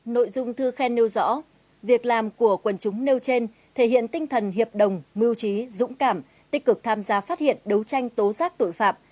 nội dung thư khen nêu rõ việc làm của quần chúng nêu trên thể hiện tinh thần hiệp đồng mưu trí dũng cảm tích cực tham gia phát hiện đấu tranh tố giác tội phạm